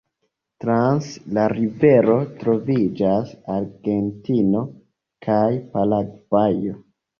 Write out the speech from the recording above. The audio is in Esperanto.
Trans la rivero troviĝas Argentino kaj Paragvajo.